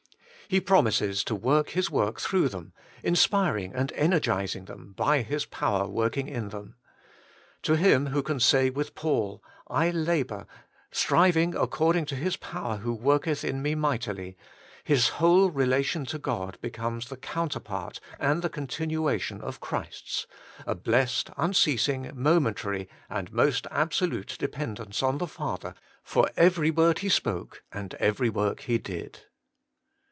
He promises to work His work through them, inspiring and ener gising them by His power working in them. To him who can say with Paul :* I labour, striving according to His power who work eth in me mightily,' his whole relation to God becomes the counterpart and the con tinuation of Christ's, a blessed, unceasing, momentary, and most absolute dependence on the Father for every word He spoke and every work He did.